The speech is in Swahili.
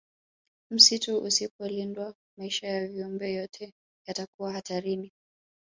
Msitu usipolindwa maisha ya viumbe vyote yatakuwa hatarini